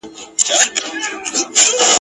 بس چي ژبه یې ګونګی وای چا یې ږغ نه اورېدلای ..